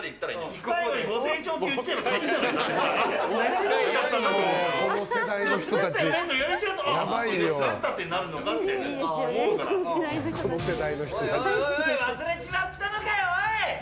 おいおい、忘れちまったのかよおい！